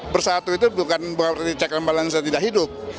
bersatu itu bukan cekan balas yang tidak hidup